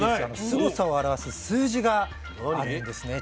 すごさを表す数字があるんですね。